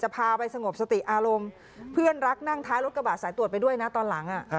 พาไปสงบสติอารมณ์เพื่อนรักนั่งท้ายรถกระบะสายตรวจไปด้วยนะตอนหลัง